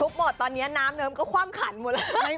หมดตอนนี้น้ำเนิมก็คว่ำขันหมดเลย